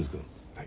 はい。